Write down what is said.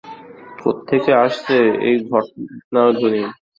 কোত্থেকে আসছে এই ঘণ্টাধ্বনি?